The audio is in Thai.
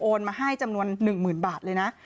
มาให้จำนวน๑๐๐๐บาทเลยนะ